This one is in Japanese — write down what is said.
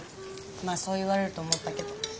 まあそう言われると思ったけど。